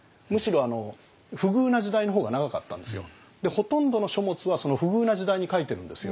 ほとんどの書物はその不遇な時代に書いてるんですよ。